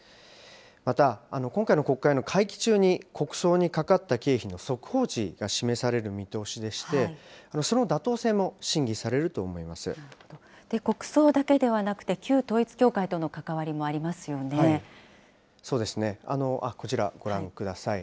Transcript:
また、今回の国会の会期中に国葬にかかった経費の速報値が示される見通しでして、その妥当性も審国葬だけではなくて、旧統一こちら、ご覧ください。